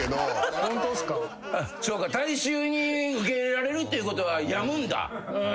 大衆に受け入れられるってことは病むんだ。